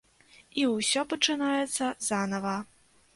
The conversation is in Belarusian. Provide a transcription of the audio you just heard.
І ўсё пачынаецца занава.